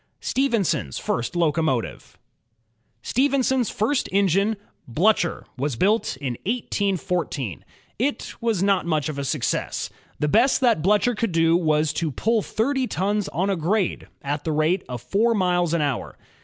Stephenson's First Locomotive Stephenson's first engine, Blticher, was built in 1814. It was not much of a success. The best that Bltu:her could do was to pull thirty tons on a grade, at the rate of four miles an hour.